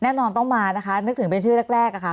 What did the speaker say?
มีความรู้สึกว่ามีความรู้สึกว่ามีความรู้สึกว่า